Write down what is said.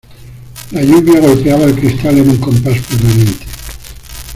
La lluvia golpeaba el cristal en un compás permanente